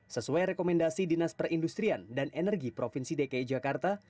sesuai rekomendasi dinas perindustrian dan energi provinsi dki jakarta